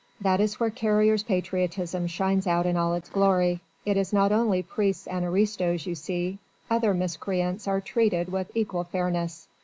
That is where Carrier's patriotism shines out in all its glory. It is not only priests and aristos, you see other miscreants are treated with equal fairness."